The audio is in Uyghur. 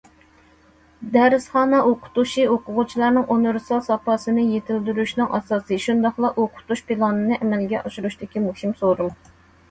دەرسخانا ئوقۇتۇشى ئوقۇغۇچىلارنىڭ ئۇنىۋېرسال ساپاسىنى يېتىلدۈرۈشنىڭ ئاساسى، شۇنداقلا ئوقۇتۇش پىلانىنى ئەمەلگە ئاشۇرۇشتىكى مۇھىم سورۇن.